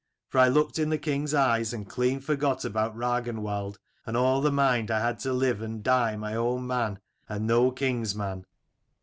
For I looked in the king's eyes and clean forgot about Ragnwald, and all the mind I had to live and die my own man, and no king's man.